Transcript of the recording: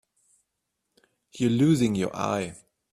You're losing your eye.